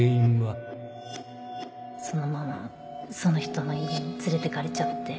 そのままその人の家に連れてかれちゃって